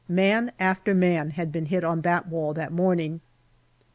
Man after man had been hit on that wall that morning.